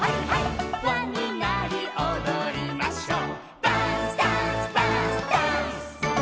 「わになりおどりましょう」「」